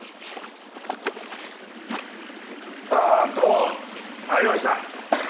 あーっとありました。